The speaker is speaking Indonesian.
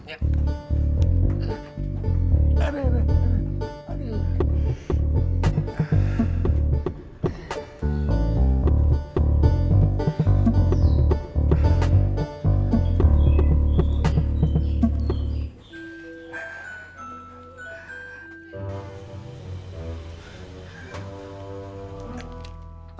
aduh aduh aduh